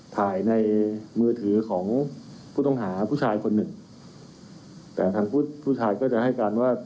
ถ่ายในมือถือของผู้ต้องหาผู้ชายคนหนึ่งแต่ทางผู้ชายก็จะให้การว่า